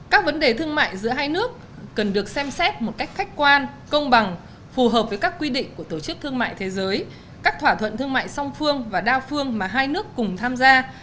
các vấn đề thương mại giữa hai nước cần được xem xét một cách khách quan công bằng phù hợp với các quy định của tổ chức thương mại thế giới các thỏa thuận thương mại song phương và đa phương mà hai nước cùng tham gia